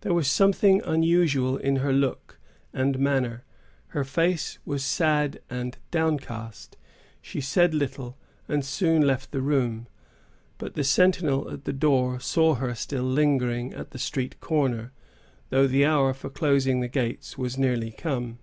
There was something unusual in her look and manner. Her face was sad and downcast. She said little, and soon left the room; but the sentinel at the door saw her still lingering at the street corner, though the hour for closing the gates was nearly come.